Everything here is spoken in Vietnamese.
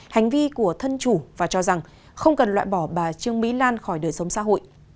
hành vi của thân chủ và cho rằng không cần loại bỏ bà trương mỹ lan khỏi đời sống xã hội